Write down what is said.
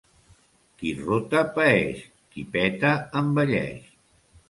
Qui rota, paeix; qui peta, envelleix.